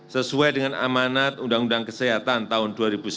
sesuai dengan amanat undang undang kesehatan tahun dua ribu sembilan belas